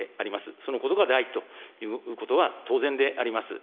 そのことが第一ということは、当然であります。